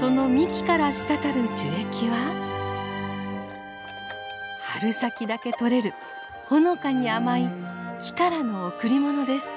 その幹から滴る樹液は春先だけ取れるほのかに甘い木からの贈り物です。